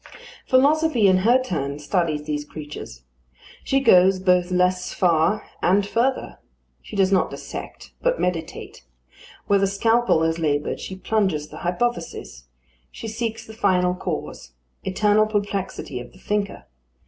Philosophy in her turn studies these creatures. She goes both less far and further. She does not dissect, but meditate. Where the scalpel has laboured, she plunges the hypothesis. She seeks the final cause. Eternal perplexity of the thinker.